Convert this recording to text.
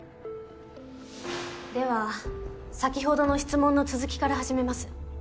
では先ほどの質問の続きから始めます。